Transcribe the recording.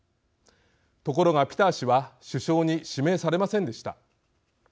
ところがピター氏は首相に指名されませんでした。